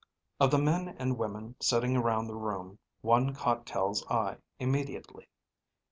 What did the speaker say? Of the men and women sitting around the room, one caught Tel's eye immediately.